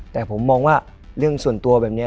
แต่ผมมองว่าเรื่องส่วนตัวแบบนี้